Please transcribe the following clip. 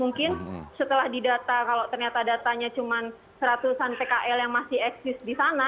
mungkin setelah didata kalau ternyata datanya cuma seratusan pkl yang masih eksis di sana